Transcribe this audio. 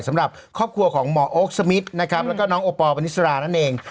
สำหรับครอบครัวของหมอโอ๊คสมิทนะครับแล้วก็น้องโอปอลปณิสรานั่นเอง